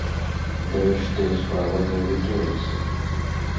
Зрэшты, справа не ў рыторыцы.